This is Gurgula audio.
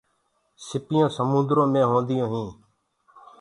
سيپ سموُندرو مي هيندآ هينٚ۔